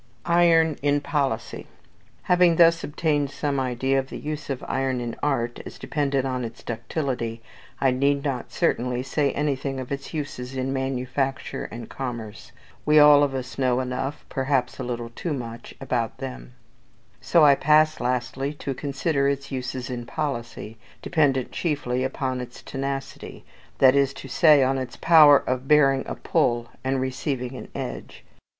IRON in POLICY. Having thus obtained some idea of the use of iron in art, as dependent on its ductility, I need not, certainly, say anything of its uses in manufacture and commerce; we all of us know enough, perhaps a little too much about them. So I pass lastly to consider its uses in policy; dependent chiefly upon its tenacity that is to say, on its power of bearing a pull, and receiving an edge.